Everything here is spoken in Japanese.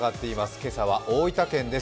今朝は大分県です。